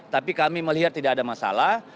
tapi kami melihat tidak ada masalah